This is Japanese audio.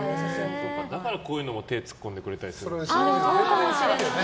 だからこういうのも手突っ込んでくれるんだね。